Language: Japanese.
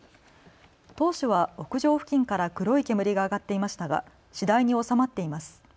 当初は屋上付近から黒い煙が上がっていましたが次第に収まっています。